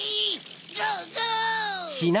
ゴーゴー！